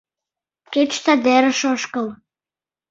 Кеч садерыш ошкыл